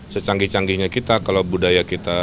secanggih canggihnya kita kalau budaya kita